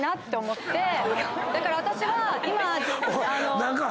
だから私は今。何か。